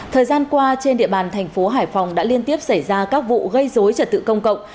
thời gian qua trên địa bàn tp hcm đã liên tiếp xảy ra các vụ gây dối trật tự công cộng